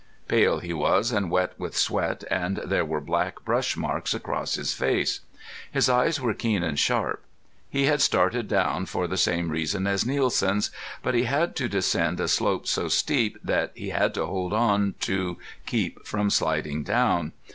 Pale he was and wet with sweat, and there were black brush marks across his face. His eyes were keen and sharp. He had started down for the same reason as Nielsen's. But he had to descend a slope so steep that he had to hold on to keep from sliding down.